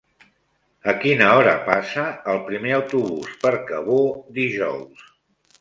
A quina hora passa el primer autobús per Cabó dijous?